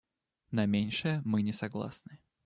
На меньшее мы не согласны.